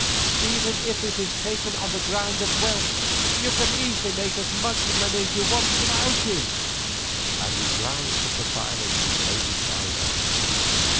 Even if it is taken on the ground of wealth you can easily make as much money as you want without him," and he glanced at the violin which lay beside her.